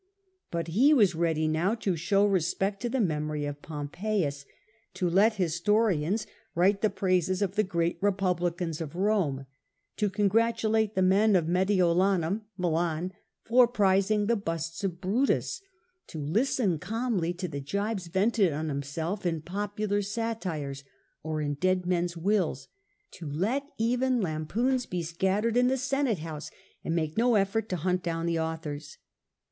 But he was ready now to show respect to the memory of Pompeius, to let historians write the 8 The Earlier Empire, B.a 31 praises of the great republicans of Rome, to congratulate the men of Mediolanum (Milan) for prizing the busts of Brutus, to listen calmly to the gibes vented on himself in popular satires or in dead men^s wills, to let even lam poons be scattered in the Senate House, and make no eifortto hunt out the authors.